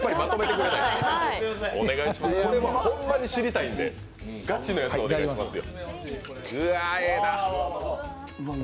ホンマに知りたいんで、ガチのやつをお願いしますよ。